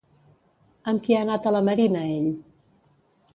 Amb qui ha anat a la Marina ell?